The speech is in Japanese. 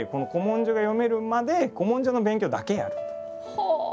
はあ！